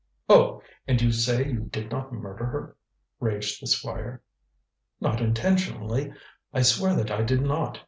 "Oh! And you say you did not murder her?" raged the Squire. "Not intentionally. I swear that I did not.